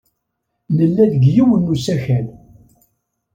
Nella deg yiwen n usakal.